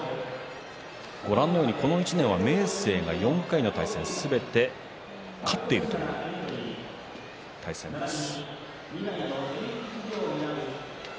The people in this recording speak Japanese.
ご覧のように、この１年は明生が４回の対戦すべて勝っているという対戦です。